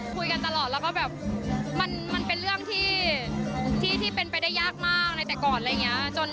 คุยกันตลอดแล้วก็แบบมันเป็นเรื่องที่เป็นไปได้ยากมากในแต่ก่อนอะไรอย่างนี้